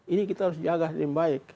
ini kita harus jaga dengan baik